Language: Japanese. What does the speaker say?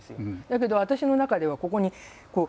だけど私の中ではここにこう。